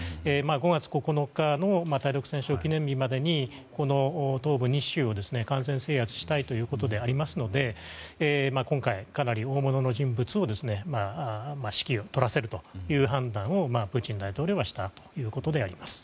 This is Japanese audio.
５月９日の対独戦勝記念日までに東部２州を完全制圧したいということでありますので今回、かなり大物の人物に指揮を執らせるという判断をプーチン大統領はしたということであります。